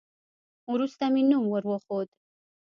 وروسته مې نوم ور وښود.